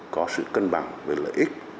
có sự cân bằng về lợi ích